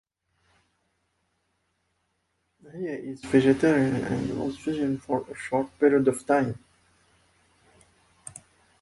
He is a vegetarian, and was vegan for a short period of time.